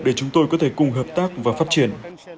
để chúng tôi có thể cùng hợp tác và phát triển